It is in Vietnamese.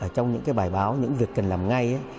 trong những bài báo những việc cần làm ngay